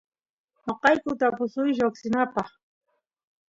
noqayku tapusuysh lloksinapaq